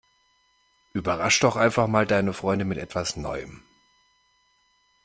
Überrasch' doch einfach mal deine Freunde mit etwas Neuem!